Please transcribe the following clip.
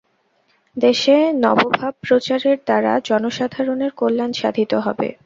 দেশে নবভাব-প্রচারের দ্বারা জনসাধারণের কল্যাণ সাধিত হবে।